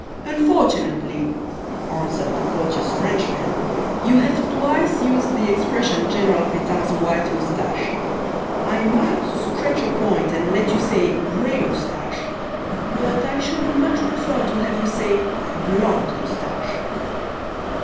"Unfortunately," answered the courteous Frenchman, "you have twice used the expression General Petain's 'white mustache.' I might stretch a point and let you say 'gray mustache,' but I should much prefer to have you say 'blond mustache.'"